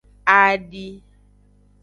Adi.